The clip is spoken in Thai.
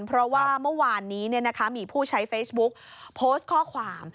เพราะว่าเมื่อวานนี้มีผู้ใช้เฟซบุ๊กโพสต์ข้อความ